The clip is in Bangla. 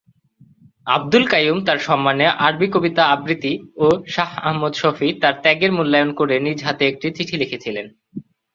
আব্দুল কাইয়ুম তার সম্মানে আরবি কবিতা আবৃত্তি ও শাহ আহমদ শফী তার ত্যাগের মূল্যায়ন করে নিজ হাতে একটি চিঠি লিখেছিলেন।